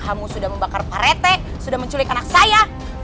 kamu sudah membakar parete sudah menculik anak saya